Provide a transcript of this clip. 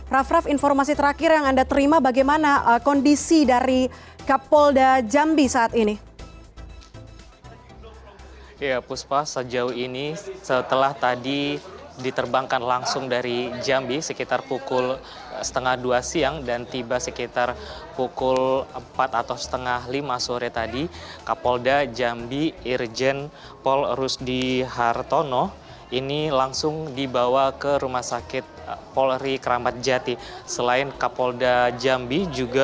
raff raff informasi terakhir yang anda terima bagaimana kondisi dari kapolda jambi saat ini